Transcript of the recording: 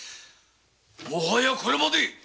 もはやこれまで。